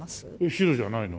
白じゃないの？